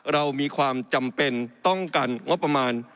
เรามีความจำเป็นต้องการงบประมาณ